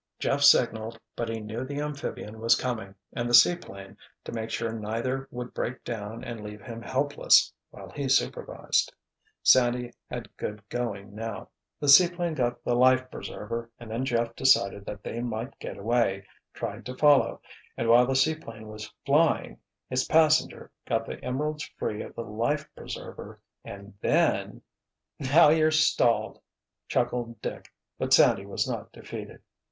Jeff signaled, but he knew the amphibian was coming, and the seaplane, to make sure neither would break down and leave him helpless—while he supervised," Sandy had good going now, "the seaplane got the life preserver, and then Jeff decided that they might get away, tried to follow—and while the seaplane was flying, its passenger got the emeralds free of the life preserver, and then——" "Now you're stalled," chuckled Dick, but Sandy was not defeated.